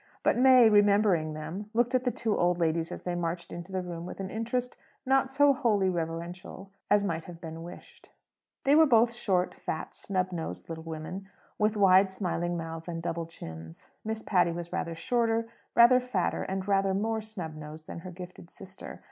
But May, remembering them, looked at the two old ladies as they marched into the room with an interest not so wholly reverential as might have been wished. They were both short, fat, snub nosed little women, with wide smiling mouths, and double chins. Miss Patty was rather shorter, rather fatter, and rather more snub nosed than her gifted sister.